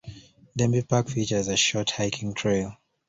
Denbigh Park features a short hiking trail.